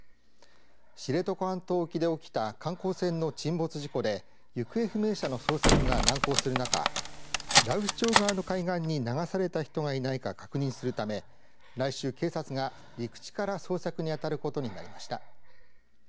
知床半島沖で起きた観光船の沈没事故で行方不明者の捜索が難航する中羅臼町側の海岸に流された人がいないか確認するため来週、警察が陸地から捜索にあたることになりました。